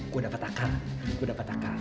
gue dapet akal gue dapet akal